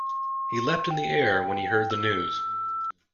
He leapt in the air when he heard the news.